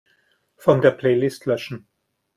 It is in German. Von der Playlist löschen.